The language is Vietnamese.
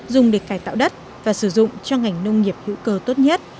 dùng để cải tạo đất và sử dụng cho ngành nông nghiệp hữu cơ tốt nhất